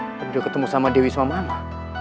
aku udah ketemu sama dewi sama mama